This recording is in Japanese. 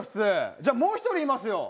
じゃあ、もう１人いますよ。